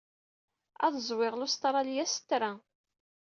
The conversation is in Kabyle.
Ad ẓwiɣ l Australia s train.